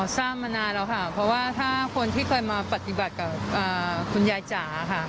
ทราบมานานแล้วค่ะเพราะว่าถ้าคนที่เคยมาปฏิบัติกับคุณยายจ๋าค่ะ